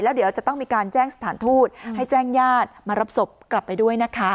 เดี๋ยวจะต้องมีการแจ้งสถานทูตให้แจ้งญาติมารับศพกลับไปด้วยนะคะ